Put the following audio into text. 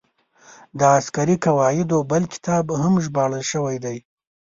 د عسکري قواعدو بل کتاب هم ژباړل شوی دی.